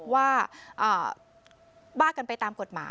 ว่าบ้ากันไปตามกฎหมาย